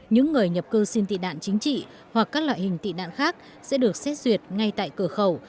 những người nhập cư xin tị nạn chính trị hoặc các loại hình tị nạn khác sẽ được xét duyệt ngay tại cửa khẩu